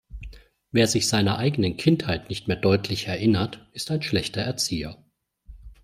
Wer sich seiner eigenen Kindheit nicht mehr deutlich erinnert, ist ein schlechter Erzieher.